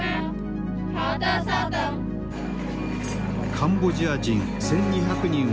カンボジア人１，２００人を雇用。